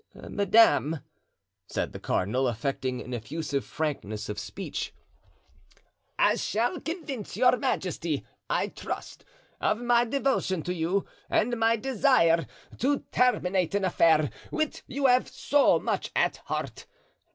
"Madame," said the cardinal, affecting an effusive frankness of speech, "I shall convince your majesty, I trust, of my devotion to you and my desire to terminate an affair which you have so much at heart.